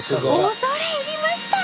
恐れ入りました！